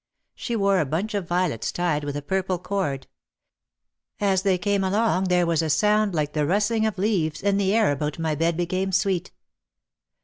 She wore a bunch of violets tied with a purple cord. As they came along there was a sound like the rustling of leaves and the air about my bed became sweet.